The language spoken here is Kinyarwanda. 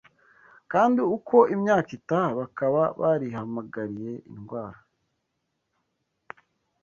kandi uko imyaka itaha, bakaba barihamagariye indwara